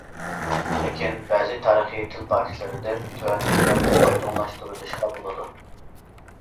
لېكىن، بەزى تارىخىي تىل پاكىتلىرىدىن تۆۋەندىكىلەرنى ئايدىڭلاشتۇرۇۋېلىشقا بولىدۇ.